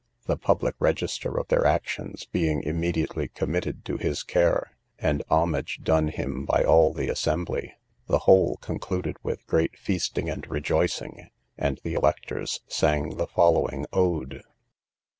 The public register of their actions being immediately committed to his care, and homage done him by all the assembly, the whole concluded with great feasting and rejoicing, and the electors sang the following ode: I.